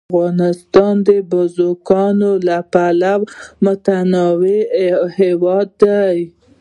افغانستان د بزګانو له پلوه متنوع هېواد دی.